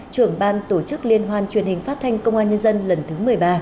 trưởng ban tổ chức liên hoan truyền hình phát thanh công an nhân dân lần thứ một mươi ba